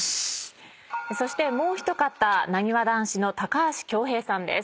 そしてもう一方なにわ男子の高橋恭平さんです。